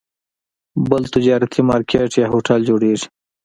بل تجارتي مارکیټ یا هوټل جوړېږي.